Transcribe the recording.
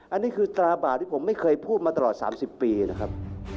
อันนี้คือตราบาปที่ผมไม่เคยพูดมาตลอด๓๐ปีนะครับ